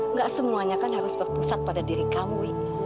nggak semuanya kan harus berpusat pada diri kamu wi